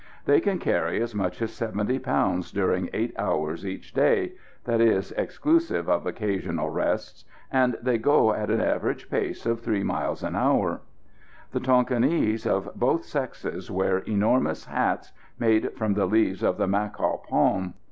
They can carry as much as 70 pounds during eight hours each day (that is exclusive of occasional rests), and they go at an average pace of 3 miles an hour. The Tonquinese of both sexes wear enormous hats made from the leaves of the macaw palm.